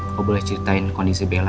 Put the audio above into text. aku boleh ceritain kondisi bella